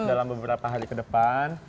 dalam beberapa hari kedepan